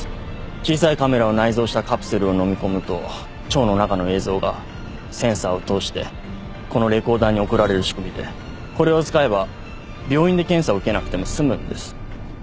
小さいカメラを内蔵したカプセルをのみ込むと腸の中の映像がセンサーを通してこのレコーダーに送られる仕組みでこれを使えば病院で検査を受けなくても済むんです。